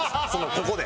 ここで。